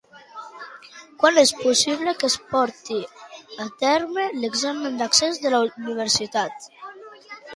Quan és possible que es porti a terme l'examen d'accés a la universitat?